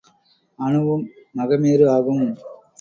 அணுவும் மகமேரு ஆகும்.